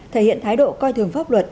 thể hiện thái độ coi thường pháp luật